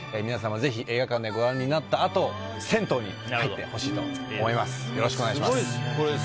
ぜひ映画館でご覧になったあと銭湯に入ってほしいと思います。